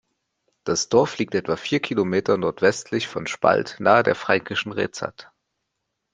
Das Dorf liegt etwa vier Kilometer nordwestlich von Spalt nahe der Fränkischen Rezat.